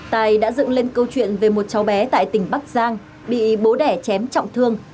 tài đã dựng lên câu chuyện về một cháu bé tại tỉnh bắc giang bị bố đẻ chém trọng thương